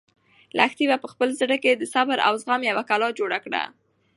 لښتې په خپل زړه کې د صبر او زغم یوه کلا جوړه کړه.